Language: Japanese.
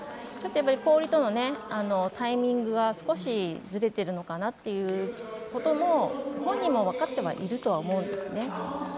ちょっと氷とのタイミングが少しずれてるのかなということも本人も分かってはいると思うんですね。